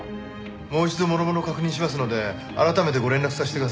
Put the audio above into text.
もう一度もろもろ確認しますので改めてご連絡させてください。